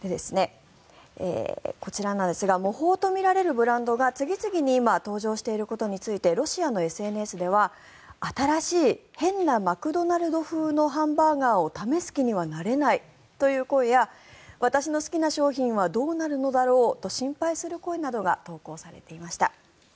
こちらなんですが模倣とみられるブランドが次々に今登場していることについてロシアのＳＮＳでは新しい変なマクドナルド風のハンバーガーを試す気にはなれないという声や私の好きな商品はどうなるのだろうと心配する声などが投稿されていました。